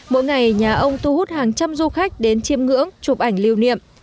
mỗi ngày nhà ông thu hút hàng trăm du khách đến chiêm ngưỡng chụp ảnh lưu niệm